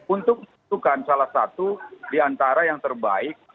untuk tukar salah satu di antara yang terbaik